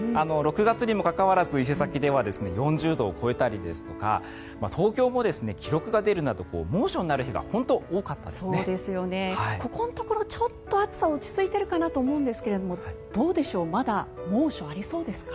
６月にもかかわらず伊勢崎では４０度を超えたりですとか東京も記録が出るなど猛暑になる日がここのところちょっと暑さが落ち着いているかなと思いますがどうでしょうまだ猛暑ありそうですか。